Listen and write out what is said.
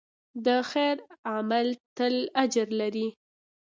د خیر عمل تل اجر لري.